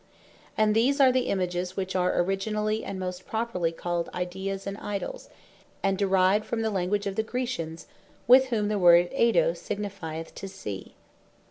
And these are the Images which are originally and most properly called Ideas, and IDOLS, and derived from the language of the Graecians, with whom the word Eido signifieth to See.